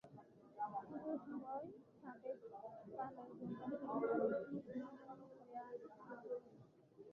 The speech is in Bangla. পূজার সময় সাবেক কালের ধূমধাম চলিল না, নমোনমো করিয়া কাজ সারিতে হইল।